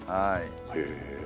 へえ。